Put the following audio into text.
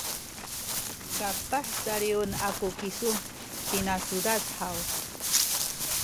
kapah caliwen aku kisu tina cudad haw?